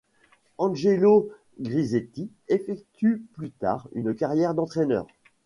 Angelo Grizzetti effectue plus tard une carrière d'entraîneur.